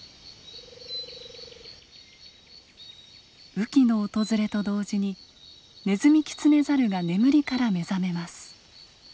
雨季の訪れと同時にネズミキツネザルが眠りから目覚めます。